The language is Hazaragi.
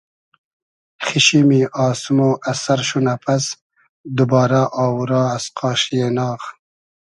خیشیمی آسمۉ از سئر شونۂ پئس دوبارۂ آوورا از قاشی ایناغ